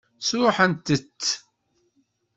Sṛuḥent-tt?